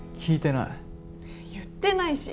言ってないし。